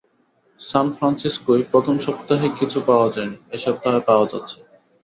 সান ফ্রান্সিস্কোয় প্রথম সপ্তাহে কিছু পাওয়া যায়নি, এ সপ্তাহে পাওয়া যাচ্ছে।